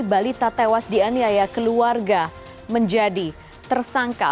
balita tewas dianiaya keluarga menjadi tersangka